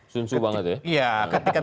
sunsu banget ya